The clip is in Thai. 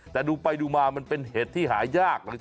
แต่ดูไปดูมามันเป็นเห็ดที่หายาก